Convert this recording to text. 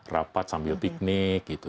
rapat sambil piknik gitu